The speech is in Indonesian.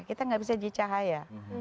kita nggak bisa jadi cahaya